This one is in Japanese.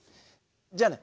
じゃあね。